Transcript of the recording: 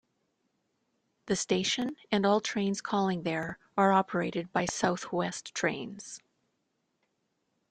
The station, and all trains calling there, are operated by South West Trains.